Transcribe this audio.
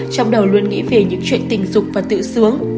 trong đầu luôn nghĩ về những chuyện tình dục và tự sướng